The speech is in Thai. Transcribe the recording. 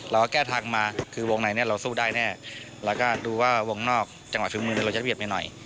เราก็แก้ทางมาคือวงในเนี่ยเราสู้ได้แน่แล้วก็ดูว่าวงนอกจังหวะฝีมือเราจะเบียดไปหน่อย